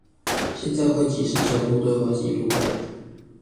現在會即時收錄對話記錄了